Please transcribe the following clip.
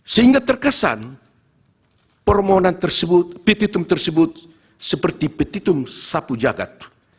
sehingga terkesan permohonan tersebut petitum tersebut seperti petitum sapu jagat